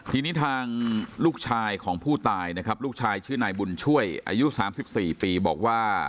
ทีนี้ทางลูกชายของผู้ตายนะครับลูกชายชื่อนายบุญช่วยอายุ๓๔ปีบอกว่า